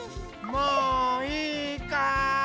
もういいかい？